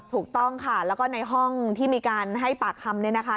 ถูกต้องค่ะแล้วก็ในห้องที่มีการให้ปากคำเนี่ยนะคะ